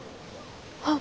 あ。